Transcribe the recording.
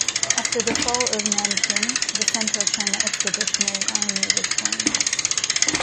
After the fall of Nanking, the Central China Expeditionary Army was formed.